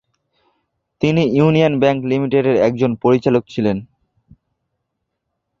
তিনি Union Bank লিমিটেডের একজন পরিচালক ছিলেন।